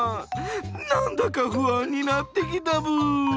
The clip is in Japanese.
何だか不安になってきたブー！